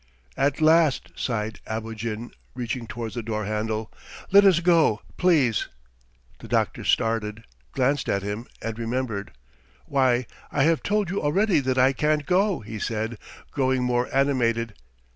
"At last," sighed Abogin, reaching towards the door handle. "Let us go, please." The doctor started, glanced at him, and remembered. ... "Why, I have told you already that I can't go!" he said, growing more animated.